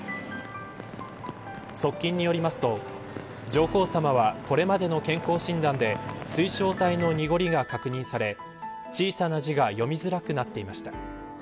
側近によりますと上皇さまはこれまでの健康診断で水晶体の濁りが確認され小さな字が読みづらくなっていました。